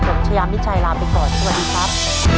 ผมชายามิชัยลาไปก่อนสวัสดีครับ